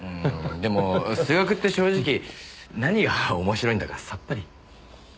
でも数学って正直何が面白いんだかさっぱり。